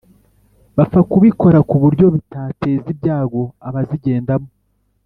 bapfa kubikora kuburyo bitateza ibyago abazigendamo